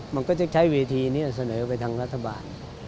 มันก็จะใช้เวทีนี้เสนอไปทางรัฐบาล